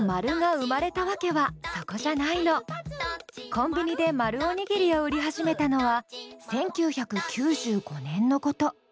コンビニで丸おにぎりを売り始めたのは１９９５年のこと。